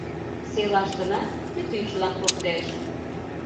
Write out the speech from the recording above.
«Селаштына кӱтӱчылан коштеш.